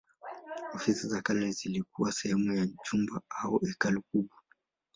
Ofisi za kale zilikuwa sehemu ya jumba au hekalu kubwa.